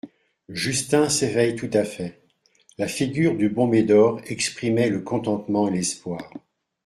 Justin s'éveille tout à fait La figure du bon Médor exprimait le contentement et l'espoir.